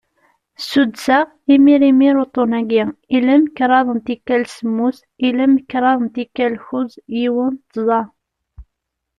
Suddseɣ imir imir uṭṭun-agi: ilem, kraḍ n tikal semmus, ilem, kraḍ n tikal kuẓ, yiwen, tẓa.